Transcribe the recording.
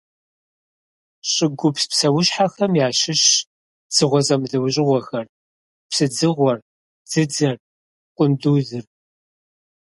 ЩӀыгупс псэущхьэхэм ящыщщ дзыгъуэ зэмылӀэужьыгъуэхэр: псыдзыгъуэр, дзыдзэр, къундузыр.